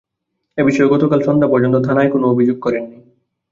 এ বিষয়ে গতকাল সন্ধ্যা পর্যন্ত থানায় কেউ কোনো অভিযোগ করেননি।